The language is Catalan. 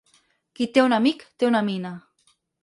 Qui té un amic té una mina.